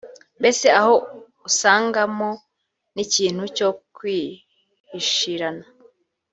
mbese aho usangamo n’ikintu cyo guhishirana